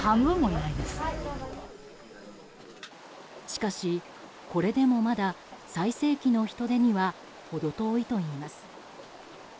しかし、これでもまだ最盛期の人出にはほど遠いといいます。